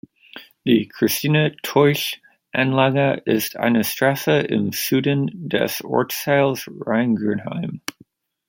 Die Christine-Teusch-Anlage ist eine Straße im Süden des Ortsteils Rheingönheim.